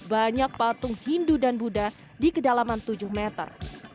banyak patung hindu dan buddha di kedalaman tujuh meter